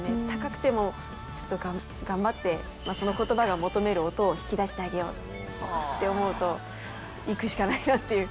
高くてもちょっと頑張って、そのことばが求める音を引き出してあげようって思うと、行くしかないなって。